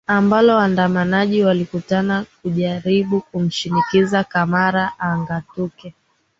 ambalo waandamanaji walikutana kujaribu kumshinikiza camara angatuke